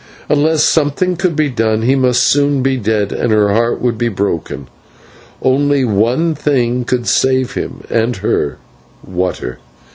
Unless something could be done he must soon be dead, and her heart would be broken. Only one thing could save him and her water.